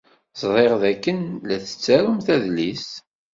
Ẓṛiɣ d akken la tettarumt adlis.